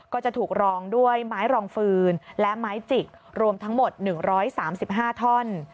ก็จะถูกรองด้วยไม้รองฟืนและไม้จิกรวมทั้งหมด๑๓๕ท่อน